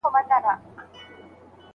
د حمل پر وخت د جماع کولو بحث.